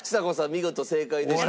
見事正解でした。